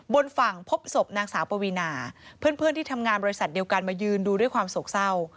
บนฝั่งพบศพนางสาวปวีนาเพื่อนที่ทำงานบริษัทเดียวกันมายืนดูด้วยความโศกเศร้า